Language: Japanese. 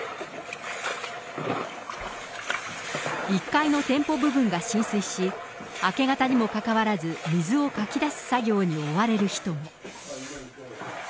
１階の店舗部分が浸水し、明け方にもかかわらず、水をかき出す作業に追われる人も。